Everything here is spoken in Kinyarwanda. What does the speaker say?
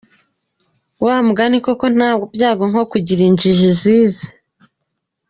Wa mugani koko nta byago nko kugira injji zize.